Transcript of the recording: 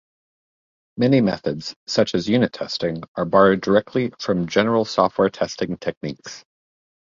Many methods, such as unit testing, are borrowed directly from general software testing techniques.